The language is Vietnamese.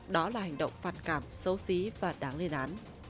đó là hành động phạt cảm xấu xí và đáng lên án